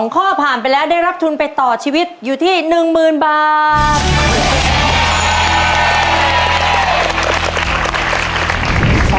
ข้อผ่านไปแล้วได้รับทุนไปต่อชีวิตอยู่ที่๑๐๐๐บาท